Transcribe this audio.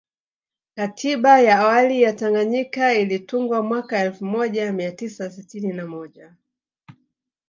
Katiba ya awali ya Tanganyika ilitungwa mwaka elfu moja mia tisa sitini na moja